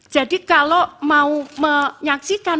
jadi kalau mau menyaksikan